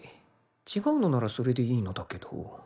違うのならそれでいいのだけど